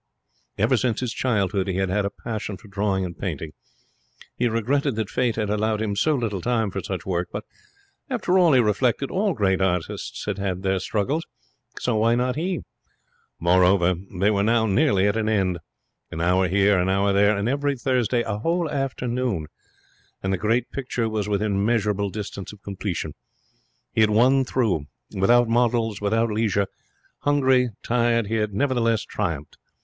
Ever since his childhood he had had a passion for drawing and painting. He regretted that Fate had allowed him so little time for such work; but after all, he reflected, all great artists had had their struggles so why not he? Moreover, they were now nearly at an end. An hour here, an hour there, and every Thursday a whole afternoon, and the great picture was within measurable distance of completion. He had won through. Without models, without leisure, hungry, tired, he had nevertheless triumphed.